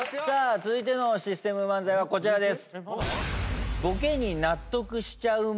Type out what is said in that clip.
さあ続いてのシステム漫才はこちらです。